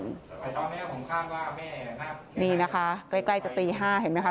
เจ้าแม่ของข้ามว่าแม่นะครับนี่นะคะใกล้ใกล้จะตีห้าเห็นไหมคะ